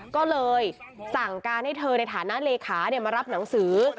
ก็เลยสั่งการให้เธอในฐานะเลขามารับหนังสือ